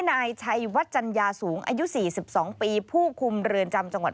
นายชัยวัดจัญญาสูงอายุ๔๒ปีผู้คุมเรือนจำจังหวัด